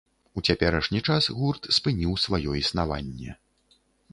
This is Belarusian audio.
У цяперашні час гурт спыніў сваё існаванне.